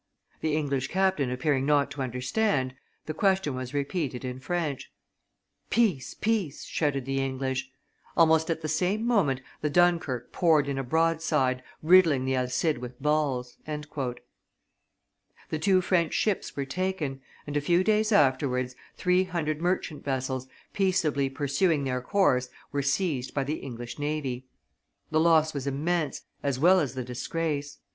The English captain appearing not to understand, the question was repeated in French. 'Peace! peace!' shouted the English. Almost at the same moment the Dunkerque poured in a broadside, riddling the Alcide with balls." The two French ships were taken; and a few days afterwards, three hundred merchant vessels, peaceably pursuing their course, were seized by the English navy. The loss was immense, as well as the disgrace.